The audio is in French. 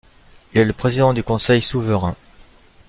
Il est le président du Conseil souverain.